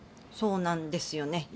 そうなんですよね。